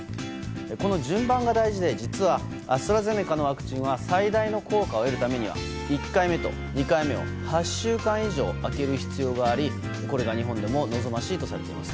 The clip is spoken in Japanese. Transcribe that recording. この順番が大事でアストラゼネカのワクチンは最大の効果を得るためには１回目と２回目を８週間以上空ける必要がありこれが日本でも望ましいとされています。